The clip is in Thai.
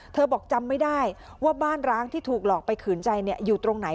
บอกจำไม่ได้ว่าบ้านร้างที่ถูกหลอกไปขืนใจอยู่ตรงไหน